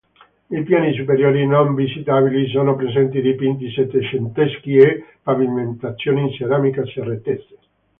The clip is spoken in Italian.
Nei piani superiori, non visitabili, sono presenti dipinti settecenteschi e pavimentazioni in ceramica cerretese.